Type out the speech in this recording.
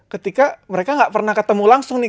ketika mereka gak pernah ketemu langsung nih